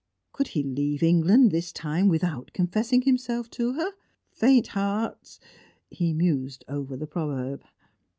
Could he leave England, this time, without confessing himself to her? Faint heart he mused over the proverb.